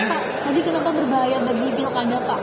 pak tadi kenapa berbahaya bagi pilkada pak